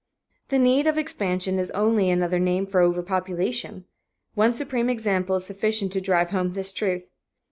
The "need of expansion" is only another name for overpopulation. One supreme example is sufficient to drive home this truth.